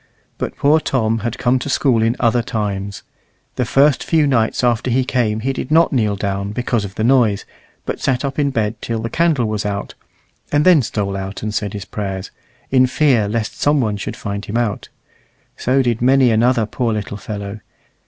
But poor Tom had come to school in other times. The first few nights after he came he did not kneel down because of the noise, but sat up in bed till the candle was out, and then stole out and said his prayers, in fear lest some one should find him out. So did many another poor little fellow.